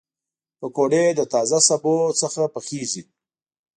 پکورې له تازه سبو پخېږي